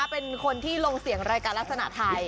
เป็นคนที่ลงเสียงรายการลักษณะไทย